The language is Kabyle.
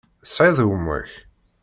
Tesεiḍ gma-k?